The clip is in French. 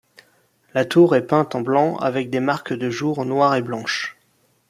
La tour est peinte en blanc avec des marques de jour noires et blanches.